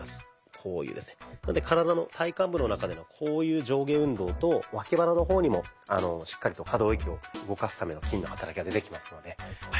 なので体の体幹部の中でのこういう上下運動と脇腹の方にもしっかりと可動域を動かすための筋の働きが出てきますので。